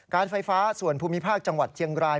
การไฟฟ้าส่วนภูมิภาคจังหวัดเชียงราย